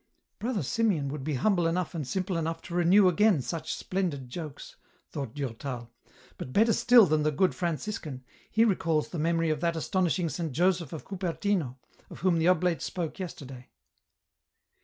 " Brother Simeon would be humble enough and simple enough to renew again such splendid iokes," thought Durtal, "but better still than the good Franciscan, he recalls the memory of that astonishing Saint Joseoh of Cupertino, of whom the oblate spoke yesterday."